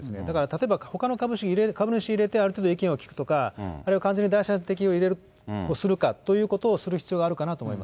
例えばほかの株主入れて、ある程度意見を聞くとか、あるいは完全に第三者を入れることをする必要があるかなと思い